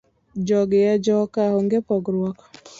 Jogi e joka onge pogruok.